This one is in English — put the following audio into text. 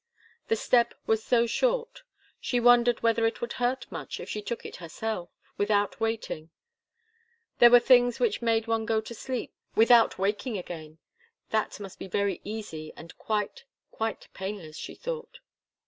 The step was so short. She wondered whether it would hurt much if she took it herself, without waiting. There were things which made one go to sleep without waking again. That must be very easy and quite, quite painless, she thought.